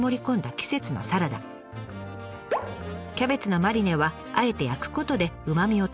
キャベツのマリネはあえて焼くことでうまみを閉じ込めました。